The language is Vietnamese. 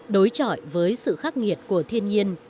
đối trọi với sự khắc nghiệt của thiên nhiên